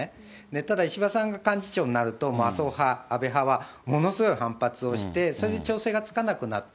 ただ、石破さんが幹事長になると、麻生派、安倍派はものすごい反発をして、それで調整がつかなくなった。